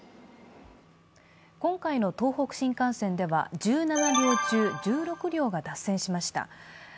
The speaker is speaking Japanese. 今回の東北新幹線では１７両中１６両が脱線しました。